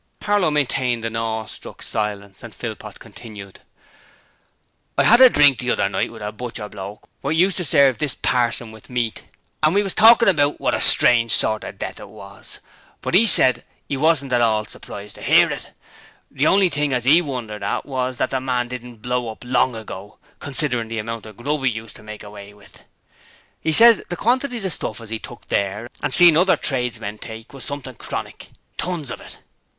Harlow maintained an awestruck silence, and Philpot continued: 'I had a drink the other night with a butcher bloke what used to serve this parson with meat, and we was talkin' about what a strange sort of death it was, but 'e said 'e wasn't at all surprised to 'ear of it; the only thing as 'e wondered at was that the man didn't blow up long ago, considerin' the amount of grub as 'e used to make away with. He ses the quantities of stuff as 'e's took there and seen other tradesmen take was something chronic. Tons of it!'